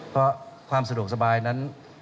เพราะความสะดวกสบายนั้น